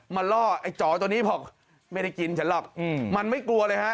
ล่อไอ้จ๋อตัวนี้บอกไม่ได้กินฉันหรอกมันไม่กลัวเลยฮะ